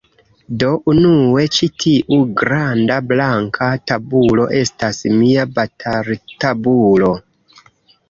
Do, unue, ĉi tiu granda blanka tabulo estas mia bataltabulo